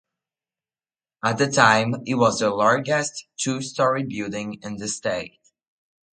At the time it was the largest two-story building in the state.